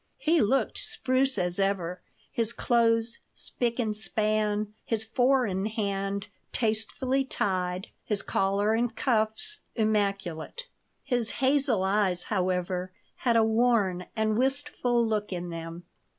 He looked spruce as ever, his clothes spick and span, his "four in hand" tastefully tied, his collar and cuffs immaculate. His hazel eyes, however, had a worn and wistful look in them.